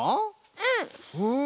うん！